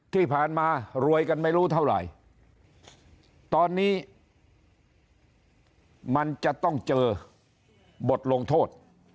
ที่ผ่านมารวยกันไม่รู้เท่าไหร่ตอนนี้มันจะต้องเจอบทลงโทษ